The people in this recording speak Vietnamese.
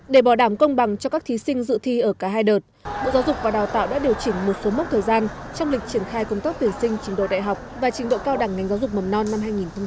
để bảo đảm công bằng cho các thí sinh dự thi ở cả hai đợt bộ giáo dục và đào tạo đã điều chỉnh một số mốc thời gian trong lịch triển khai công tác tuyển sinh trình độ đại học và trình độ cao đẳng ngành giáo dục mầm non năm hai nghìn hai mươi